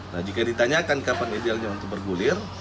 nah jika ditanyakan kapan idealnya untuk bergulir